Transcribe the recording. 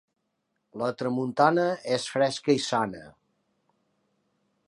La tramuntana és fresca i sana.